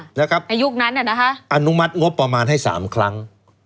อเจมส์อันมัติงบประมาณให้๓ครั้ง